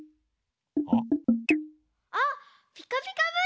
あっ「ピカピカブ！」